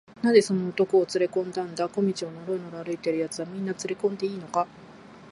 「なぜその男をつれこんだんだ？小路をのろのろ歩いているやつは、みんなつれこんでいいのか？」